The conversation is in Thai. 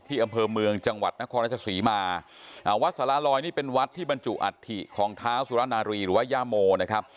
อำเภอเมืองจังหวัดนครราชศรีมาวัดสารลอยนี่เป็นวัดที่บรรจุอัฐิของเท้าสุรนารีหรือว่าย่าโมนะครับ